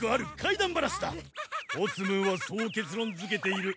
オツムンはそう結論づけている。